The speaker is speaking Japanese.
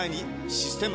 「システマ」